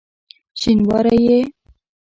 شینواری یې؟!